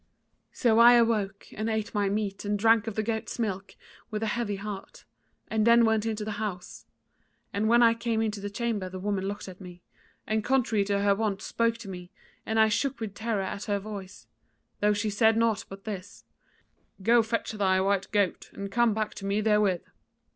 "So I awoke and ate my meat and drank of the goats' milk with a heavy heart, and then went into the house; and when I came into the chamber the woman looked at me, and contrary to her wont spoke to me, and I shook with terror at her voice; though she said naught but this: 'Go fetch thy white goat and come back to me therewith.'